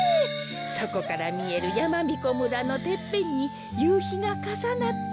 そこからみえるやまびこ村のてっぺんにゆうひがかさなってやまがかがやいていたの。